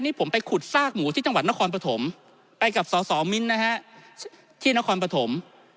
นี่ผมไปขุดซากหมูที่จังหวัดนครปฐมไปกับสสมิ้นนะฮะที่นครปฐม